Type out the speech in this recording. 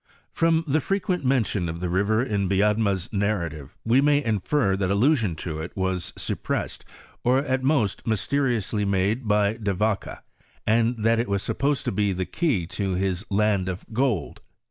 From the frequent mention of the river in Biedma's nar rative we may infer that allusion to it was suppressed, or at most, mysteriously made by De Vaca, and that it was sup posed to be the key to his land of gold.